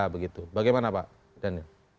bagaimana pak daniel